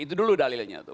itu dulu dalilnya